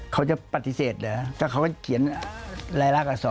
เขาจะปฏิเสธเหรอถ้าเขาเขียนรายละอักษร